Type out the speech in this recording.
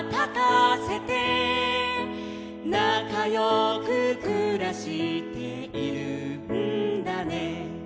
「なかよくくらしているんだね」